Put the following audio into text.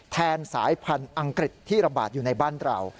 สายพันธุ์อังกฤษที่ระบาดอยู่ในบ้านเรา